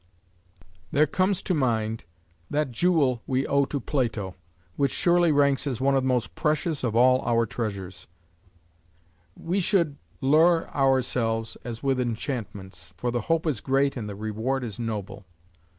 There comes to mind that jewel we owe to Plato, which surely ranks as one of the most precious of all our treasures: "We should lure ourselves as with enchantments, for the hope is great and the reward is noble."